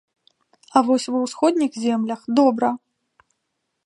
А вось ва ўсходніх землях добра.